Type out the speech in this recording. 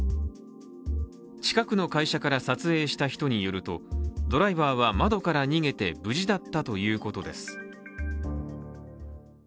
近くの会社から撮影した人によるとドライバーは窓から逃げて無事だったということです。